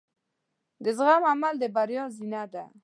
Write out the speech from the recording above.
د زغم عمل د بریا زینه ده.